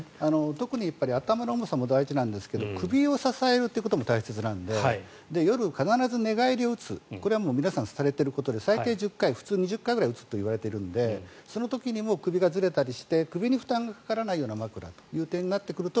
特に頭の重さも大事なんですが首を支えることも大事なので夜、必ず寝返りを打つこれは皆さんされていることで最低１０回、普通２０回ぐらい打つといわれているのでその時にも首がずれたりして首に負担がかからない枕という点になってくると